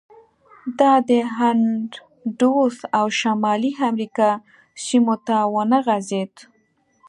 دا د اندوس او شمالي امریکا سیمو ته ونه غځېد.